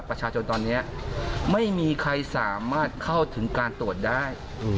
ประชาชนตอนนี้ไม่มีใครสามารถเข้าถึงการตรวจได้